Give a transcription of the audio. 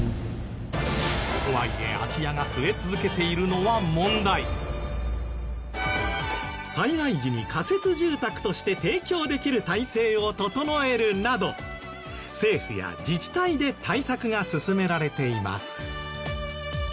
とはいえ災害時に仮設住宅として提供できる体制を整えるなど政府や自治体で対策が進められています。